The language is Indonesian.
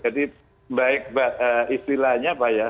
jadi baik istilahnya pak ya